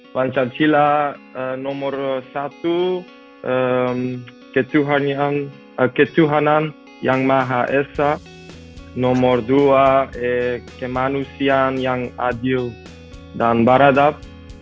pancasila nomor satu ketuhanan yang maha esa nomor dua kemanusiaan yang adil dan baradab